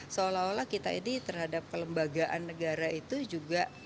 seolah olah kita ini terhadap kelembagaan negara itu juga